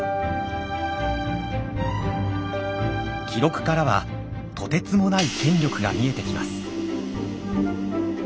記録からはとてつもない権力が見えてきます。